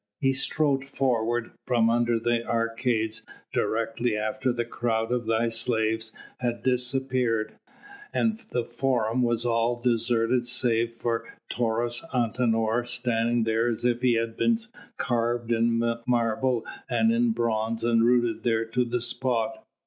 "He strode forward from under the arcades directly after the crowd of thy slaves had disappeared, and the Forum was all deserted save for Taurus Antinor standing there as if he had been carved in marble and in bronze and rooted there to the spot.